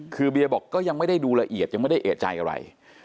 คือเบียบอกก็ยังไม่ได้ดูละเอียดยังไม่ได้เอกใจอะไร